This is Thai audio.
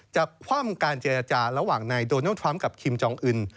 คว่ำการเจรจาระหว่างนายโดนัลดทรัมป์กับคิมจองอื่น